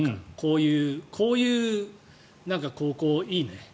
こういう高校、いいね。